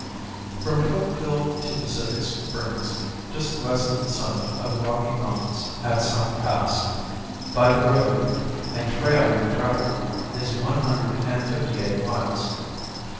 From Cokeville to Pacific Springs, just west of the summit of the Rocky Mountains at South Pass, by the road and trail we traveled, is one hundred and fifty eight miles.